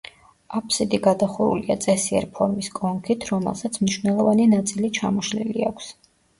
აფსიდი გადახურულია წესიერ ფორმის კონქით, რომელსაც მნიშვნელოვანი ნაწილი ჩამოშლილი აქვს.